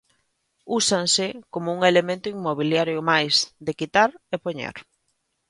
Úsanse como un elemento inmobiliario máis, de quitar e poñer.